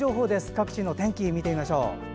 各地の天気、見てみましょう。